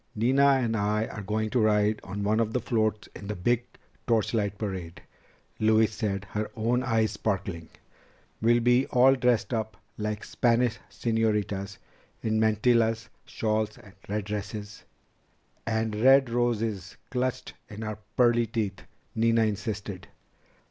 "Nina and I are going to ride on one of the floats in the big torchlight parade," Louise said, her own eyes Sparkling. "We'll be all dressed up like Spanish señoritas, in mantillas, shawls, red dresses ..." "And red roses clutched in our pearly teeth," Nina insisted.